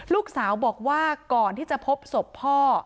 ลูกสาวบอกว่าก่อนที่จะพบศพพ่อ